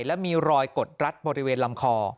และมีรอยกดรัดบริเวณลำคอ